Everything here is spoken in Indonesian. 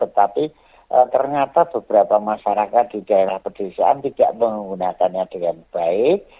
tetapi ternyata beberapa masyarakat di daerah pedesaan tidak menggunakannya dengan baik